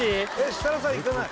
設楽さんいかない？